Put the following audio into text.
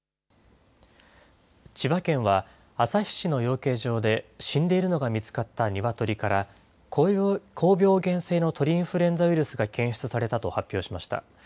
千葉県は、旭市の養鶏場で死んでいるのが見つかったニワトリから、高病原性の鳥インフルエンザウイルスが検出されたと発表しました。